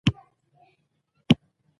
د خپلي دندې عزت وکړئ، نو پرمختګ به وکړئ!